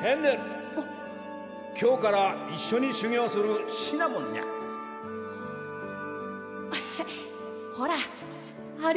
フェンネル・今日から一緒に修業するシナモンにゃほらあ